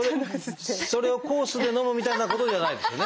それをコースで飲むみたいなことじゃないですよね。